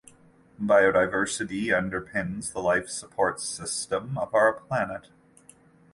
Biodiversity underpins the life-support system of our planet.